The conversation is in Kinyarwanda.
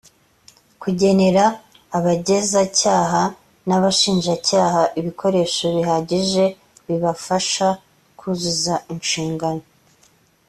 kugenera abagezacyaha n abashinjacyaha ibikoresho bihagije bibafasha kuzuza inshingano